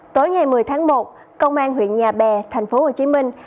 tối ngày một mươi tháng một công an huyện nhà bè thành phố hồ chí minh